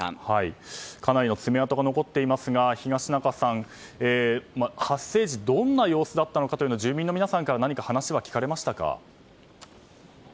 かなりの爪痕が残っていますが東中さん、発生時どんな様子だったのか住民の皆さんから何か話は聞かれましたか。